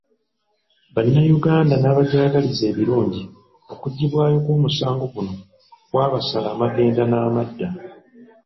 Bannayuganda n'abajagaliza ebirungi okuggibwayo kw'omusango guno kwabasala amagenda n'amadda.